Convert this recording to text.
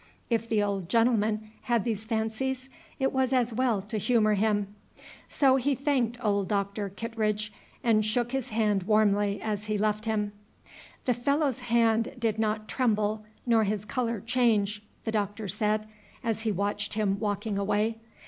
If the old gentleman had these fancies, it was as well to humor him. So he thanked old Doctor Kittredge, and shook his hand warmly as he left him. "The fellow's hand did not tremble, nor his color change," the Doctor said, as he watched him walking away.